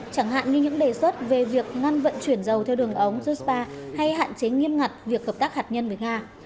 chẳng hạn như những đề xuất về việc ngăn vận chuyển dầu theo đường ống justpa hay hạn chế nghiêm ngặt việc hợp tác hạt nhân với nga